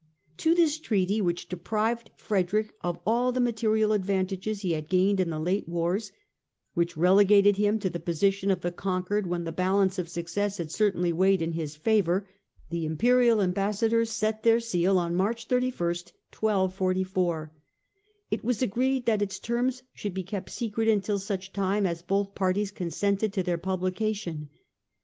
To this treaty, which deprived Frederick of all the material advantages he had gained in the late wars, which relegated him to the position of the conquered when the balance of success had certainly weighed in his favour, the Imperial ambassadors set their seal on March 3ist, 1244. It was agreed that its terms should be kept secret until such time as both parties consented to their publication.